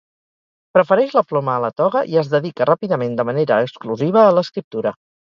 Prefereix la ploma a la toga i es dedica ràpidament de manera exclusiva a l'escriptura.